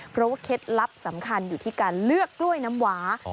เพราะว่าเคล็ดลับสำคัญอยู่ที่การเลือกกล้วยน้ำหวา